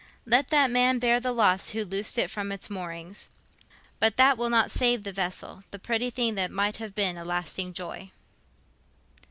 "Let that man bear the loss who loosed it from its moorings." But that will not save the vessel—the pretty thing that might have been a lasting joy.